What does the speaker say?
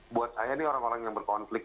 buat saya ini orang orang yang berkonflik